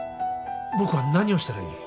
僕は何をしたらいい？